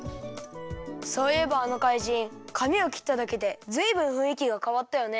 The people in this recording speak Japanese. そういえばあのかいじんかみをきっただけでずいぶんふんいきがかわったよね。